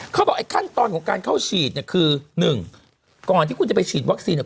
เขาบอกไอ้ขั้นตอนของการเข้าฉีดเนี่ยคือหนึ่งก่อนที่คุณจะไปฉีดวัคซีนเนี่ย